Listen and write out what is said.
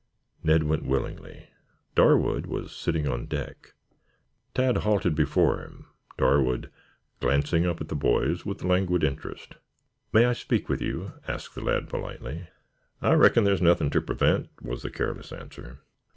Ned went willingly. Darwood was sitting on deck. Tad halted before him, Darwood glancing up at the boys with languid interest. "May I speak with you?" asked the lad politely. "I reckon there's nothing to prevent," was the careless answer.